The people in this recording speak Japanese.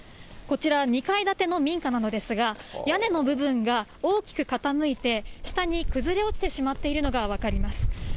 こちら、２階建ての民家なのですが、屋根の部分が大きく傾いて、下に崩れ落ちてしまっているのが分かります。